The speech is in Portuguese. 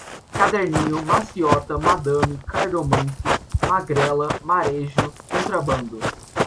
caderninho, maciota, madame, cartomante, magrela, majero, contrabando